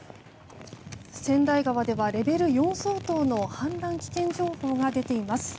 千代川では、レベル４相当の氾濫危険情報が出ています。